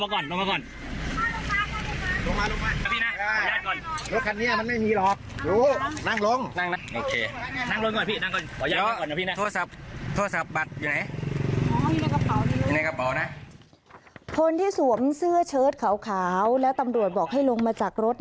คนที่สวมเสื้อเชิดขาวแล้วตำรวจบอกให้ลงมาจากรถ